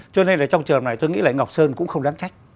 cho nên trong trường này tôi nghĩ là ngọc sơn cũng không đáng trách